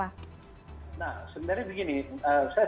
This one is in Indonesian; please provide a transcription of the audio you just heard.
nah sebenarnya begini